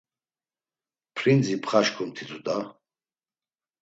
Prinzi pxaşǩumt̆itu da!